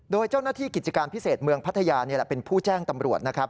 โดยเจ้าหน้าที่กิจการพิเศษเมืองพัทยาเป็นผู้แจ้งตำรวจนะครับ